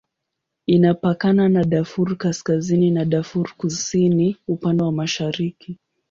Inapakana na Darfur Kaskazini na Darfur Kusini upande wa mashariki.